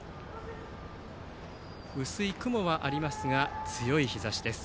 薄い雲はありますが強い日ざしです。